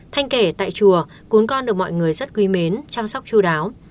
thành kể tại chùa cún con được mọi người rất quý mến chăm sóc chú đáo